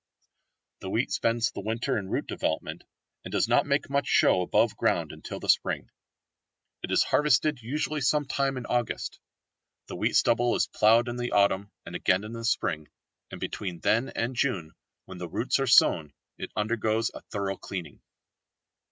The wheat spends the winter in root development, and does not make much show above ground until the spring. It is harvested usually some time in August. The wheat stubble is ploughed in the autumn and again in the spring, and between then and June, when the roots are sown, it undergoes a thorough cleaning.